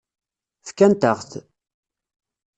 Fkant-aɣ-t.